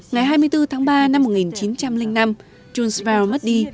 ngày hai mươi bốn tháng ba năm một nghìn chín trăm linh năm jules verne mất đi